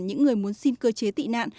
những người muốn xin cơ chế tị nạn